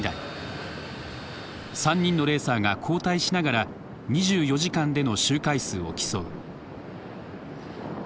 ３人のレーサーが交代しながら２４時間での周回数を競う。